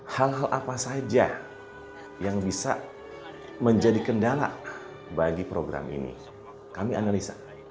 hal hal apa saja yang bisa menjadi kendala bagi program ini kami analisa